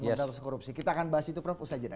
pemberantasan korupsi kita akan bahas itu prof usajena